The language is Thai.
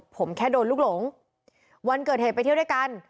ผมแค่โดนลูกหลงวันเกิดเหตุไปเที่ยวด้วยกัน